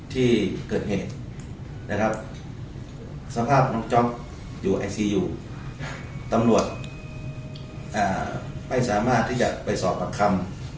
ที่เกิดเหตุนะครับสภาพน้องจ๊อปอยู่ไอซียูตำรวจไม่สามารถที่จะไปสอบปากคำ